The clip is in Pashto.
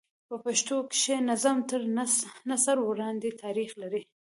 په پښتو کښي نظم تر نثر وړاندي تاریخ لري.